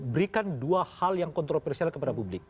berikan dua hal yang kontroversial kepada publik